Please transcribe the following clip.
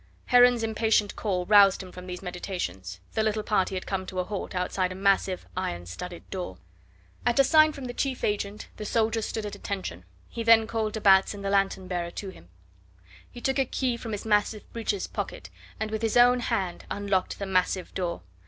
Heron's impatient call roused him from these meditations. The little party had come to a halt outside a massive iron studded door. At a sign from the chief agent the soldiers stood at attention. He then called de Batz and the lanthorn bearer to him. He took a key from his breeches pocket, and with his own hand unlocked the massive door.